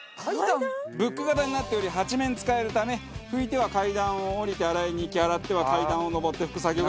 ブック型になっており８面使えるため拭いては階段を下りて洗いに行き洗っては階段を上って拭く作業が１回で済むと。